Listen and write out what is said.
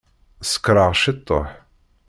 Sekṛeɣ ciṭuḥ.